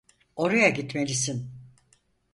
Oraya gitmelisin.